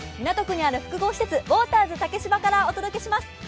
港区にある複合施設、ウォーターズ竹芝からお届けします。